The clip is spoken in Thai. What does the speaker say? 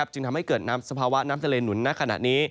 จึงทำให้เกิดน้ำสภาวะน้ำทะเลหนุนณขณะนี้